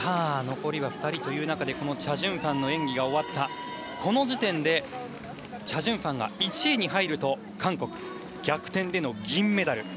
残りは２人という中でチャ・ジュンファンの演技が終わってこの時点でチャ・ジュンファンが１位に入ると韓国、逆転での銀メダル。